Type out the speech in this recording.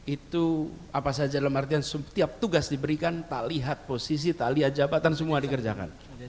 itu apa saja dalam artian setiap tugas diberikan tak lihat posisi tak lihat jabatan semua dikerjakan